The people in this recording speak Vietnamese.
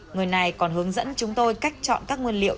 người này còn hướng dẫn chúng tôi cách chọn các nguyên liệu